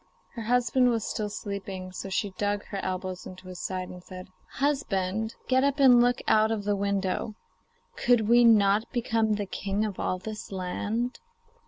Her husband was still sleeping, so she dug her elbows into his side and said: 'Husband, get up and look out of the window. Could we not become the king of all this land?